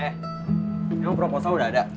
eh emang proposal udah ada